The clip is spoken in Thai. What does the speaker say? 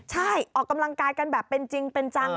ใช่ออกกำลังกายกันแบบเป็นจริงเป็นจัง